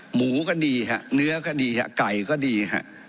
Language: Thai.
หมูก็ดีครับเนื้อก็ดีครับไก่ก็ดีครับ